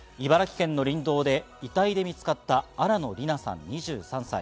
茨城県の林道で遺体で見つかった新野りなさん、２３歳。